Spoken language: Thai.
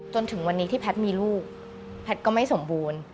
จนถึงวันนี้ที่แพทย์มีลูกแพทย์ก็ไม่สมบูรณ์